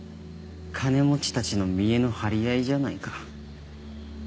金持ちたちの見えの張り合いじゃないか。